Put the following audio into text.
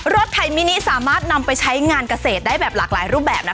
รถไถมินิสามารถนำไปใช้งานกระเสดได้แบบหลายรูปแบบนะคะ